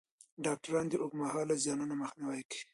ډاکټران د اوږدمهاله زیانونو مخنیوی کوي.